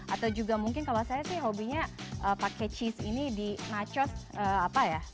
atau juga mungkin kalau saya sih hobinya pakai cheese ini di nachos apa ya